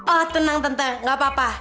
oh tenang tante nggak apa apa